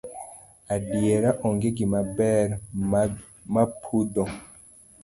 Adiera onge gima ber mabudho.